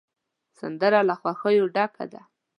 سندره له خوښیو ډکه ده